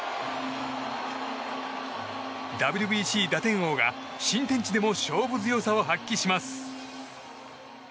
ＷＢＣ打点王が、新天地でも勝負強さを発揮します。